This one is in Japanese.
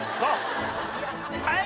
はい！